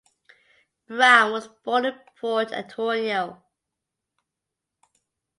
Brown was born in Port Antonio.